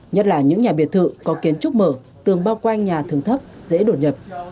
nhất là những nhà biệt thự có kiến trúc mở tường bao quanh nhà thường thấp dễ đột nhập